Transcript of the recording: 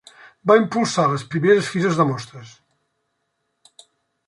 Va impulsar les primeres Fires de Mostres.